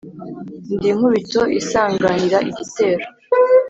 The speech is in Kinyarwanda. Ndi inkubito isanganira igitero,